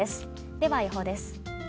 では、予報です。